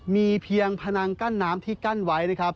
มีเพียงพนังกั้นน้ำที่กั้นไว้นะครับ